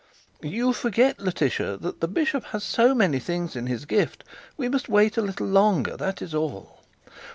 'You forget, Letitia, that the bishop has so many things in his gift. We must wait a little longer. That is all.'